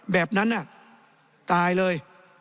แบบนั้นตายเลย